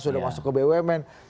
sudah masuk ke bumn